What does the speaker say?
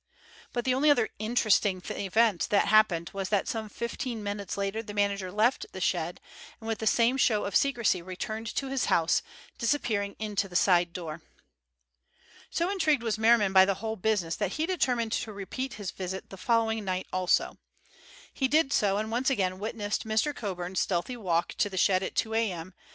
But the only other interesting event that happened was that some fifteen minutes later the manager left the shed, and with the same show of secrecy returned to his house, disappearing into the side door. So intrigued was Merriman by the whole business that he determined to repeat his visit the following night also. He did so, and once again witnessed Mr. Coburn's stealthy walk to the shed at two a.m.